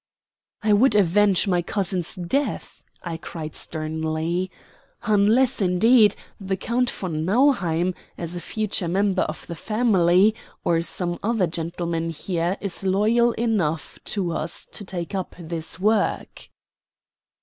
"I would avenge my cousin's death!" I cried sternly. "Unless, indeed, the Count von Nauheim, as a future member of the family, or some other gentleman here, is loyal enough to us to take up this work."